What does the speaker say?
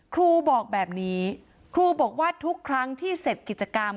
ครูบอกแบบนี้ครูบอกว่าทุกครั้งที่เสร็จกิจกรรม